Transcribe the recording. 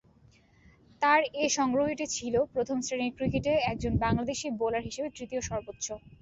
তার এ সংগ্রহটি ছিল প্রথম শ্রেণীর ক্রিকেটে একজন বাংলাদেশী বোলার হিসাবে তৃতীয় সর্বোচ্চ।